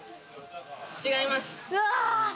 違います。